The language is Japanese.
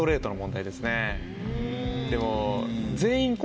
でも。